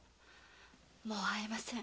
もう会えません。